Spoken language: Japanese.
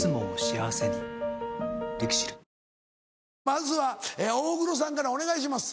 まずは大黒さんからお願いします。